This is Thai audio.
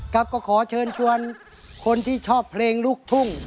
ครับก็ขอเชิญชวนคนที่ชอบเพลงลูกทุ่ง